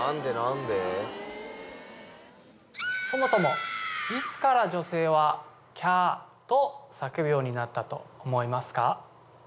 そもそもいつから女性は「キャー」と叫ぶようになったと思いますか？